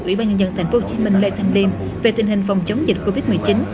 ủy ban nhân dân tp hcm lê thanh liêm về tình hình phòng chống dịch covid một mươi chín